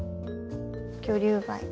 ギョリュウバイ。